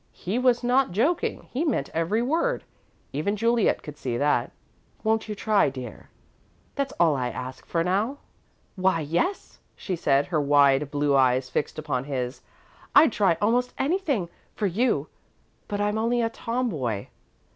He was not joking he meant every word. Even Juliet could see that. "Won't you try, dear? That's all I'll ask for, now." "Why, yes," she said, her wide blue eyes fixed upon his. "I'd try almost anything for you, but I'm only a tomboy."